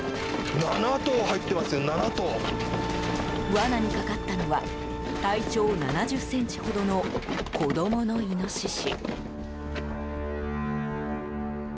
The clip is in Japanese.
わなにかかったのは体長７０ｃｍほどの子供のイノシシ。